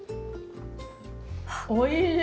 おいしい！